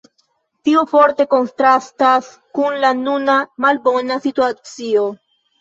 Tio forte kontrastas kun la nuna malbona situacio.